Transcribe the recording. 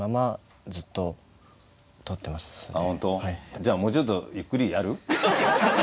じゃあもうちょっとゆっくりやる？